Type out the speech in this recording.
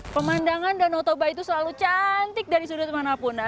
pemandangan danau toba itu selalu cantik dari sudut manapun